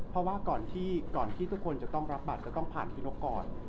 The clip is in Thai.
เพราะว่าก่อนที่ทุกคนจะต้องรับบัตรก็ต้องผ่านพี่นกก่อน